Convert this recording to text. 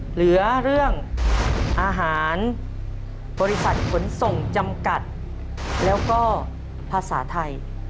เหลือเรื่องอาหารบริษัทขนส่งจำกัดแล้วก็ภาษาไทย